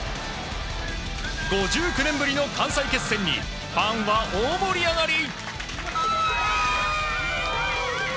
５９年ぶりの関西決戦にファンは大盛り上がり！